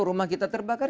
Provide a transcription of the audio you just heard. rumah kita terbakar